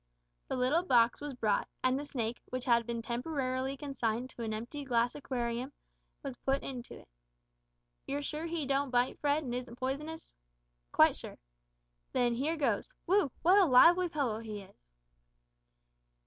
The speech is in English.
The little box was brought, and the snake, which had been temporarily consigned to an empty glass aquarium, was put into it. "You're sure he don't bite, Fred, and isn't poisonous?" "Quite sure." "Then here goes whew! what a lively fellow he is!"